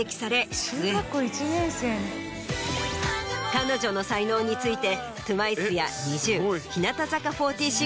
彼女の才能について。